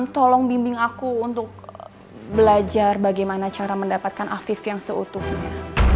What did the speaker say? tolong bimbing aku untuk belajar bagaimana cara mendapatkan afif yang seutuhnya